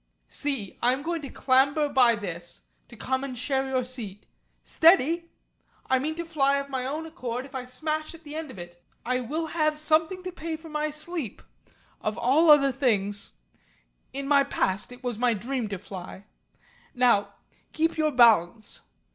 See I am going to clamber by this to come and share your seat. Steady! I mean to fly of my own accord if I smash at the end of it. I will have something to pay for my sleep. Of all other things . In my past it was my dream to fly. Now keep your balance."